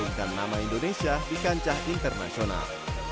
mengirimkan nama indonesia di kancah internasional